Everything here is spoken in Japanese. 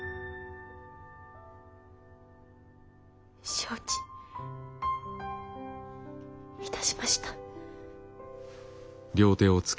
承知いたしました。